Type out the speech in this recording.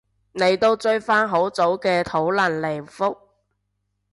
你都追返好早嘅討論嚟覆